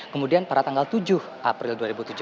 kemudian pada tanggal tujuh april dua ribu tujuh belas